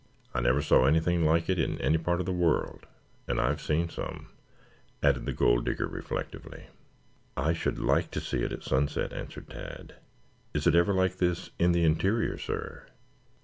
I never saw anything like it in any part of the world, and I've seen some," added the Gold Digger reflectively. "I should like to see it at sunset," answered Tad. "Is it ever like this in the interior, sir?"